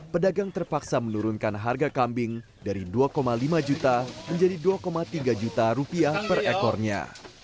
pedagang terpaksa menurunkan harga kambing dari dua lima juta menjadi dua tiga juta rupiah per ekornya